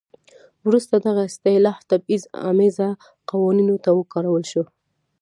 وروسته دغه اصطلاح تبعیض امیزه قوانینو ته وکارول شوه.